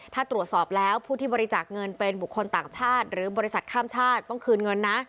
ถ้าตรวจสอบแล้วผู้ที่บริจาคเงินเป็นบุคคลต่างชาติหรือบริษัทข้ามชาติต้องคืนเงินนะ